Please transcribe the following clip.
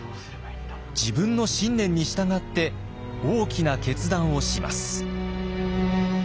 自分の信念に従って大きな決断をします。